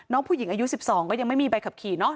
น้องผู้หญิงอายุ๑๒ก็ยังไม่มีใบขับขี่เนาะ